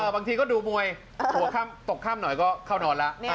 บางทีก็ดูมวยหัวตกค่ำหน่อยก็เข้านอนแล้ว